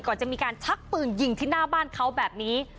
ก่อนจะมีการชักปืนยิงที่หน้าบ้านเขาแบบนี้